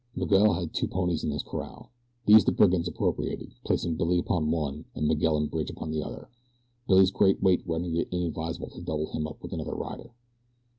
Miguel had two ponies in his corral. These the brigands appropriated, placing Billy upon one and Miguel and Bridge upon the other. Billy's great weight rendered it inadvisable to double him up with another rider.